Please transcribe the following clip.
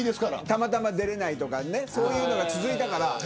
たまたま出られないとかそういうのが続いたから。